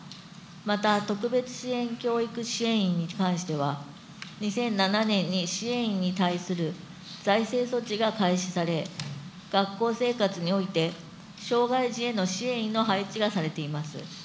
また特別支援教育支援員に関しては、２００７年に支援員に対する財政措置が開始され、学校生活において、障害児への支援員の配置がされています。